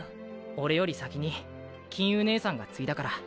オレより先に金烏姉さんが継いだから。